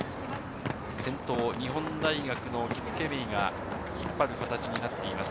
先頭、日本大学のキップケメイが引っ張る形になっています。